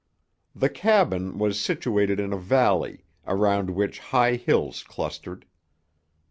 The cabin, was situated in a valley, around which high hills clustered.